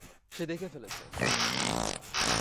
সে দেখে ফেলেছে!